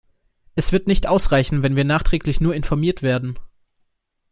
Es wird nicht ausreichen, wenn wir nachträglich nur informiert werden.